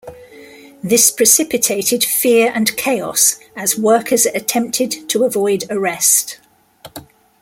This precipitated fear and chaos as workers attempted to avoid arrest.